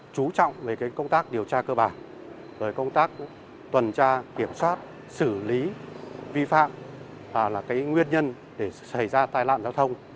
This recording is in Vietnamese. chú trọng về công tác điều tra cơ bản công tác tuần tra kiểm soát xử lý vi phạm là nguyên nhân để xảy ra tai nạn giao thông